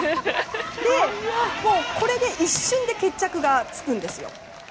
一瞬で決着がつくんですよ。